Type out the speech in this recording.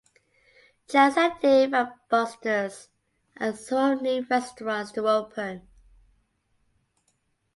Chang's and Dave and Buster's are some of the new restaurants to open.